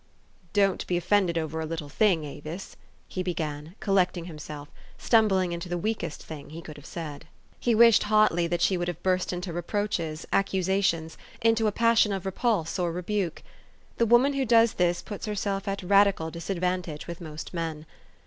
" Don't be offended over a little thing, Avis," he began, collecting himself, stumbling into the weakest thing he could have said. He wished hotly that she would have burst into reproaches, accusations, into a passion of repulse or rebuke. The woman who does this puts herself at radical disadvantage with most men.